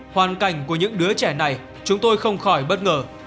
hoàn cảnh của những đứa trẻ này chúng tôi không khỏi bất ngờ